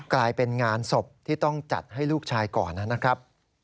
กลายเป็นงานศพที่ต้องจัดให้ลูกชายก่อนนะครับ